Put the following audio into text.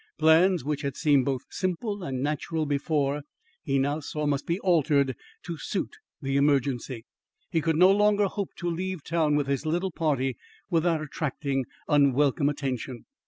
Plans which had seemed both simple and natural before, he now saw must be altered to suit the emergency. He could no longer hope to leave town with his little party without attracting unwelcome attention.